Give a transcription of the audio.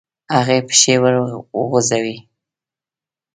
هغې پښې وروغځولې.